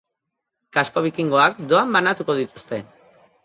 Kasko bikongoak doan banatuko dituzte.